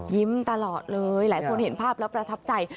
ยิ้มตลอดภรรยายคนเห็นภาพแล้วประทับใจ